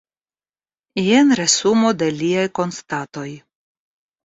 Jen resumo de liaj konstatoj.